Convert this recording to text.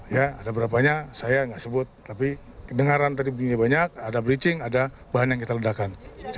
ya ada berapanya saya nggak sebut tapi kedengaran tadi bunyinya banyak ada bridging ada bahan yang kita ledakan